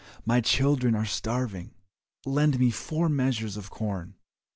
My children are starving, lend me four measures* of corn."